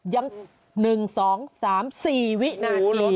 ยัง๑๒๓๔วินาที